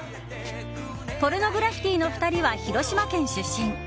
ポルノグラフィティの２人は広島県出身。